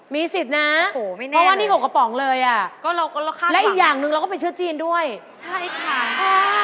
มีสิทธิ์นะเพราะว่านี่๖กระป๋องเลยอ่ะก็เราก็และอีกอย่างหนึ่งเราก็ไปเชื้อจีนด้วยใช่ค่ะ